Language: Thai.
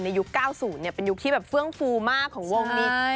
ยุค๙๐เป็นยุคที่แบบเฟื่องฟูมากของวงนี้